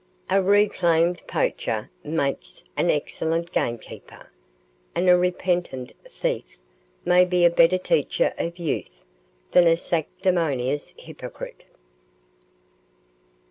A reclaimed poacher makes an excellent gamekeeper, and a repentant thief may be a better teacher of youth than a sanctimonious hypocrite.